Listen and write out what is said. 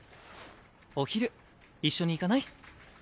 お昼一緒に行かない？